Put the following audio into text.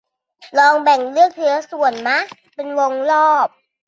ลองแบ่งเลือกทีละส่วนมะ เป็นวงรอบ